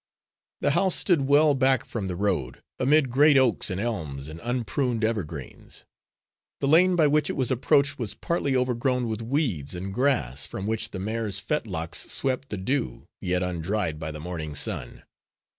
The house stood well back from the road, amid great oaks and elms and unpruned evergreens. The lane by which it was approached was partly overgrown with weeds and grass, from which the mare's fetlocks swept the dew, yet undried by the morning sun.